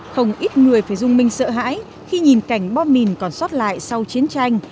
không ít người phải dung minh sợ hãi khi nhìn cảnh bom mìn còn sót lại sau chiến tranh